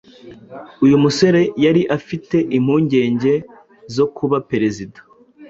Uyu musore yari afite impungenge zo kuba Perezida